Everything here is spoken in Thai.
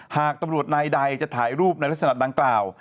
หากตำรวจนายใดจะถ่ายรูปในลักษณะดังกล่าว